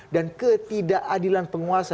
dan ketidakadilan penguasa